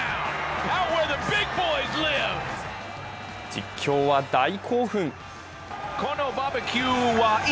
実況は大興奮。